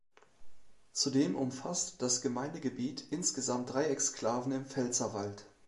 Zudem umfasst das Gemeindegebiet insgesamt drei Exklaven im Pfälzerwald.